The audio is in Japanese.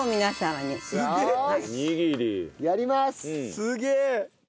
すげえ！